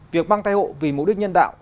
việc mang thai hộ vì mục đích nhân đạo